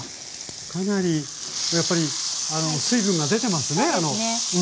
かなりやっぱり水分が出てますねもやしから。